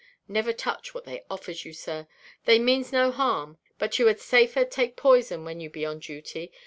Never touch what they offers you, sir. They means no harm, but you had safer take poison when you be on duty.